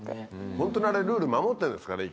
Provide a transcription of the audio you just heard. ホントにあれルール守ってるんですかね